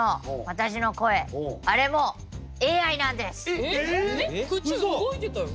えっ口動いてたよ。